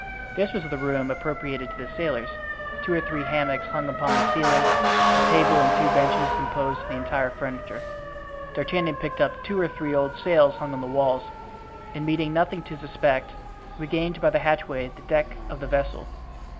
This was the room appropriated to the sailors. Two or three hammocks hung upon the ceiling, a table and two benches composed the entire furniture. D'Artagnan picked up two or three old sails hung on the walls, and meeting nothing to suspect, regained by the hatchway the deck of the vessel.